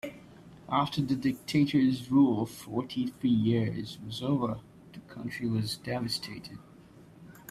After the dictator's rule of fourty three years was over, the country was devastated.